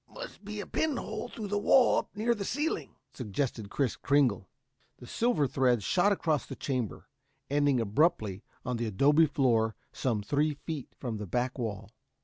"Must be a pin hole through the wall up near the ceiling," suggested Kris Kringle. The silver thread shot across the chamber, ending abruptly on the adobe floor some three feet from the back wall.